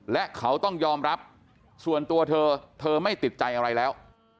และเขาต้องยอมรับส่วนตัวเธอเธอไม่ติดใจอะไรแล้ว